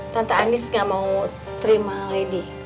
tante anies gak mau terima lady